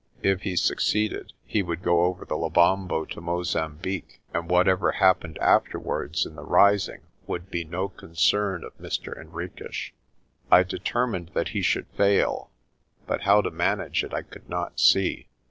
If he succeeded, he would go over the Lebombo to Mozambique, and what ever happened afterwards in the rising would be no concern of Mr. Henriques. I determined that he should fail; but how to manage it I could not see.